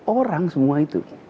orang semua itu